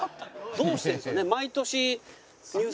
どうしてるんですかね？